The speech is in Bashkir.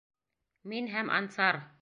Мин һәм Ансар!